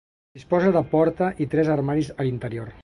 Disposa de porta i tres armaris a l'interior.